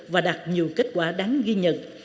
và đạt nhiều kết quả đáng ghi nhận